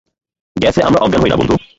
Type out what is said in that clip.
গ্যাসে আমরা অজ্ঞান হই না, বন্ধু।